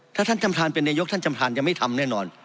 ถ้าท่านจำทานเป็นนายกท่านจำทานยังไม่ทำแน่นอน